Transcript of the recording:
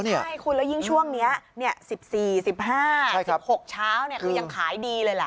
ใช่คุณแล้วยิ่งช่วงนี้๑๔๑๕๑๖เช้าคือยังขายดีเลยแหละ